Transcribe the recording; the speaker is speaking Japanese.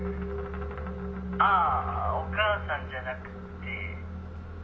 「あぁお母さんじゃなくて」